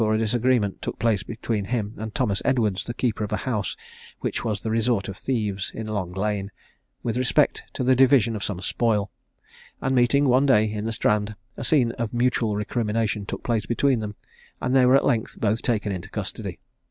_] a disagreement took place between him and Thomas Edwards, the keeper of a house which was the resort of thieves, in Long lane, with respect to the division of some spoil, and meeting one day in the Strand, a scene of mutual recrimination took place between them, and they were at length both taken into custody.